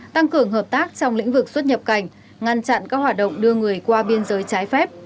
tăng cường hợp tác trong lĩnh vực xuất nhập cảnh ngăn chặn các hoạt động đưa người qua biên giới trái phép